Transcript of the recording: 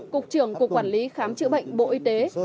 cục trưởng cục quản lý khám chữa bệnh bộ y tế